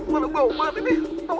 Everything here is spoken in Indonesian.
mana bau banget ini